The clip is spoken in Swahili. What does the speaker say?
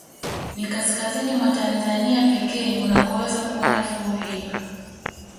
Ni kaskazini mwa Tanzania pekee unakoweza kuona fuvu hilo